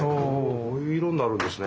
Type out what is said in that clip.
こういう色になるんですね。